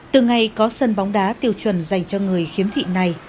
từ ngày có sân bóng đá tiêu chuẩn dành cho người khiếm thị này